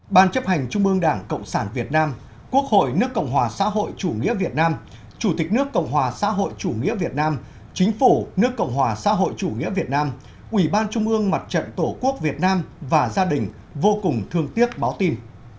ban chấp hành trung ương đảng cộng sản việt nam quốc hội nước cộng hòa xã hội chủ nghĩa việt nam chủ tịch nước cộng hòa xã hội chủ nghĩa việt nam chính phủ nước cộng hòa xã hội chủ nghĩa việt nam ủy ban trung ương mặt trận tổ quốc việt nam và gia đình vô cùng thương tiếc báo tin